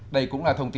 đây cũng là thông tin